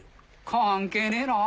関係ねえな。